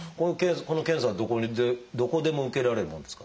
この検査はどこでも受けられるもんですか？